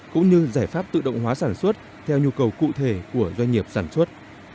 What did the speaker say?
cũng như giải pháp tự động hóa sản xuất theo nhu cầu cụ thể của doanh nghiệp sản xuất